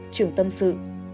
trưởng tâm sự